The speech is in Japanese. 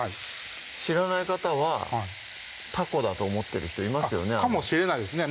知らない方はタコだと思ってる人いますよねかもしれないですね